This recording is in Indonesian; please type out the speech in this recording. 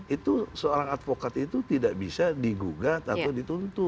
itu seorang advokat itu tidak bisa digugat atau dituntut